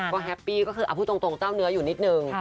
ก็แฮปปี้ก็คือเอาพูดตรงเจ้าเนื้ออยู่นิดนึง